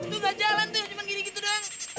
tuh enggak jalan tuh cuma gini gitu doang